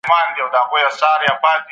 موږ باید د نړۍ د نويو سیسټمونو خبر سو.